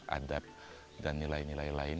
adab dan nilai nilai lain